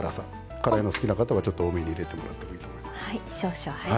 辛いのが好きな方は多めに入れてもらっていいと思います。